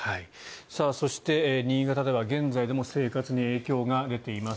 そして新潟では現在も生活に影響が出ています。